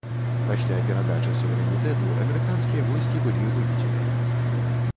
Пасля перадачы суверэнітэту амерыканскія войскі былі выведзеныя.